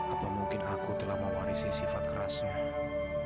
apa mungkin aku telah mewarisi sifat kerasnya